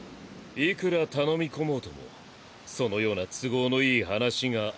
いくら頼み込もうともそのような都合のいい話が。